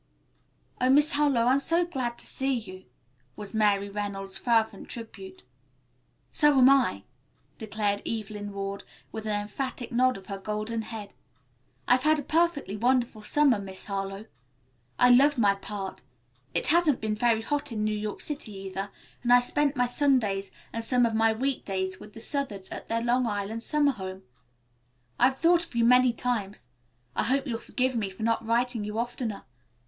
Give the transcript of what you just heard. "Oh, Miss Harlowe I'm so glad to see you," was Mary Reynolds' fervent tribute. "So am I," declared Evelyn Ward, with an emphatic nod of her golden head. "I've had a perfectly wonderful summer, Miss Harlowe. I loved my part. It hasn't been very hot in New York City, either, and I spent my Sundays and some of my week days with the Southards at their Long Island summer home. I have thought of you many times. I hope you'll forgive me for not writing you oftener.